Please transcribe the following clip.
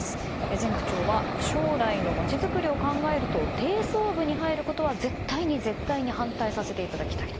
前区長は将来の街づくりを考えると低層部に入ることは絶対に絶対に反対させていただきたいと。